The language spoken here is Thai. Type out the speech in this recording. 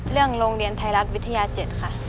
เรื่องโรงเรียนไทยรัฐวิทยา๗ค่ะ